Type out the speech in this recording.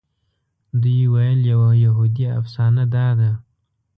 دوی ویل یوه یهودي افسانه داده.